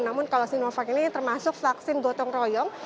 namun kalau sinovac ini termasuk vaksin gotong royong